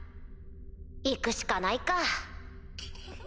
行くしかないか。